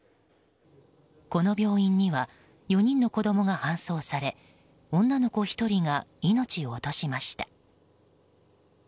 この病院には４人の子供が搬送され女の子１人が命を落としました。